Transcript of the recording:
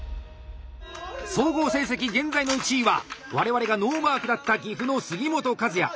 総合成績現在の１位は我々がノーマークだった岐阜の杉本和也。